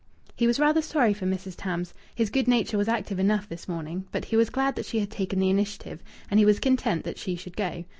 He was rather sorry for Mrs. Tams. His good nature was active enough this morning. But he was glad that she had taken the initiative. And he was content that she should go.